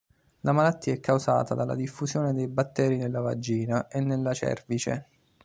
La malattia è causata dalla diffusione dei batteri nella vagina e nella cervice.